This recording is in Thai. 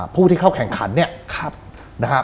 ผู้ที่เข้าแข่งขันเนี่ยนะฮะ